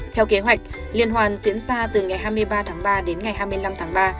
theo kế hoạch liên hoàn diễn ra từ ngày hai mươi ba tháng ba đến ngày hai mươi năm tháng ba